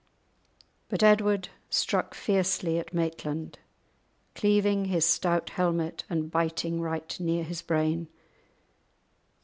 But Edward struck fiercely at Maitland, cleaving his stout helmet and biting right near his brain.